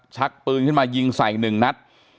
ชักปืนขึ้นมายิงใส่๑นัด